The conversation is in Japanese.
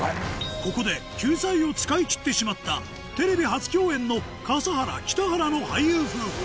ここで救済を使い切ってしまったテレビ初共演の笠原・北原の俳優夫婦